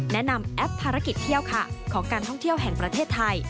แอปภารกิจเที่ยวค่ะของการท่องเที่ยวแห่งประเทศไทย